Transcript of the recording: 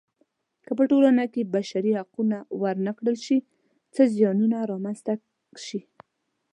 که په ټولنه کې بشري حقونه ورنه کړل شي څه زیانونه رامنځته شي.